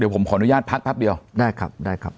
ผมขออนุญาตพักแป๊บเดียวได้ครับได้ครับ